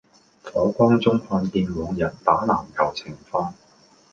火光中看見往日打籃球情況